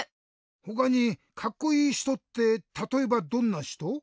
ほかにカッコイイひとってたとえばどんなひと？